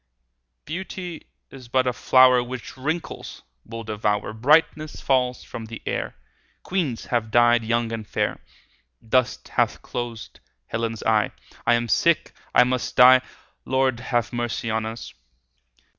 Beauty is but a flower 15 Which wrinkles will devour; Brightness falls from the air; Queens have died young and fair; Dust hath closed Helen's eye; I am sick, I must die— 20 Lord, have mercy on us!